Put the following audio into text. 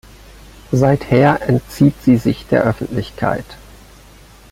Seither entzieht sie sich der Öffentlichkeit.